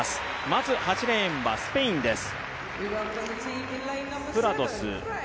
まず８レーンはスペインです。